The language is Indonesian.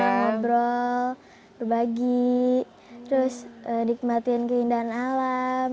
ngobrol berbagi terus nikmatin keindahan alam